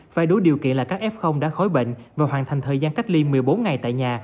phải đủ điều kiện là các f đã khói bệnh và hoàn thành thời gian cách ly một mươi bốn ngày tại nhà